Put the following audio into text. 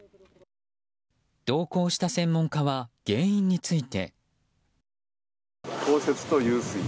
同行した専門家は原因について。